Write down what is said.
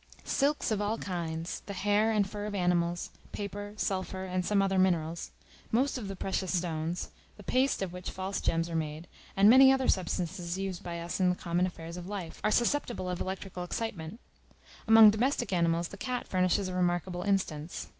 Silks of all kinds; the hair and fur of animals, paper, sulphur, and some other minerals; most of the precious stones; the paste of which false gems are made; and many other substances used by us in the common affairs of life, are susceptible of electrical excitement; among domestic animals the cat furnishes a remarkable instance.